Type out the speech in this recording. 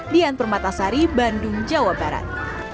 dian permatasari bandung jawa barat